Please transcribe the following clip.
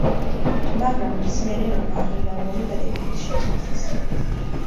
მაგრამ მსმენელებმა ახალი ალბომი დადებითად შეაფასეს.